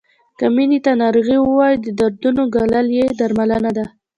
که مینې ته ناروغي ووایو د دردونو ګالل یې درملنه ده.